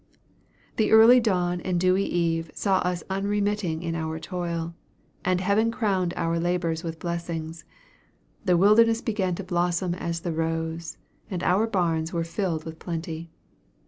"The early dawn and dewy eve saw us unremitting in our toil, and Heaven crowned our labors with blessings. 'The wilderness began to blossom as the rose,' and our barns were filled with plenty.